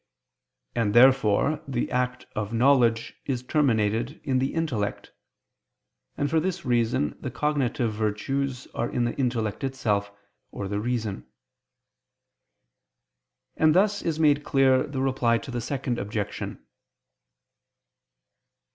And therefore the act of knowledge is terminated in the intellect; and for this reason the cognoscitive virtues are in the intellect itself, or the reason. And thus is made clear the Reply to the Second Objection.